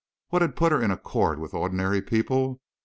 What had put her in accord with ordinary people?